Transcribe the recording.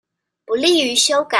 不利於修改